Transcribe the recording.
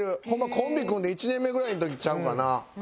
コンビ組んで１年目ぐらいの時ちゃうかな？